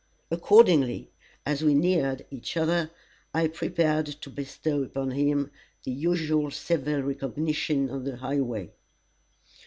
Accordingly, as we neared each other, I prepared to bestow upon him the usual civil recognition of the highway.